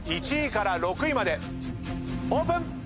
１位から６位までオープン！